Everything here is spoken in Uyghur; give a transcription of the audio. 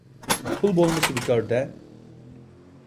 پۇل بولمىسا بىكار - دە!